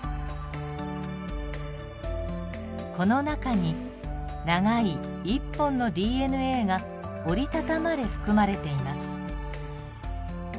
この中に長い１本のＤＮＡが折りたたまれ含まれています。